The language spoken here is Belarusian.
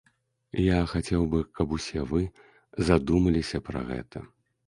Я хацеў бы, каб усе вы задумаліся пра гэта.